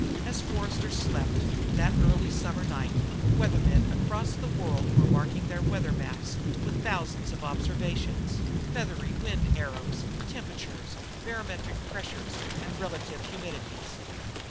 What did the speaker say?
As Forster slept that early summer night, weathermen across the world were marking their weather maps with thousands of observations feathery wind arrows, temperatures, barometric pressures and relative humidities.